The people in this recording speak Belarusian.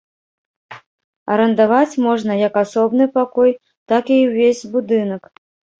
Арандаваць можна як асобны пакой, так і ўвесь будынак.